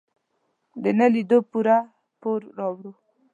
د نه لیدو پوره پور راوړ.